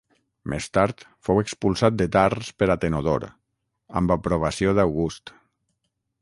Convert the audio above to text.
Més tard fou expulsat de Tars per Atenodor, amb aprovació d'August.